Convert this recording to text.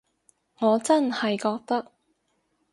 我真係覺得